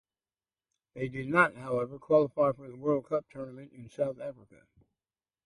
They did not, however, qualify for the World Cup tournament in South Africa.